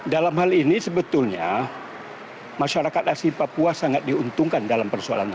dalam hal ini sebetulnya masyarakat asli papua sangat diuntungkan dalam persoalan ini